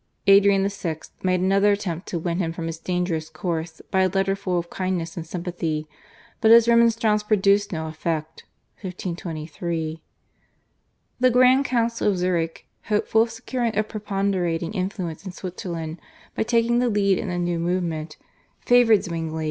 Adrian VI. made another attempt to win him from his dangerous course by a letter full of kindness and sympathy, but his remonstrance produced no effect (1523). The Grand Council of Zurich, hopeful of securing a preponderating influence in Switzerland by taking the lead in the new movement, favoured Zwingli.